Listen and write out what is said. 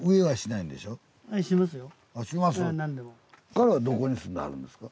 彼はどこに住んではるんですか？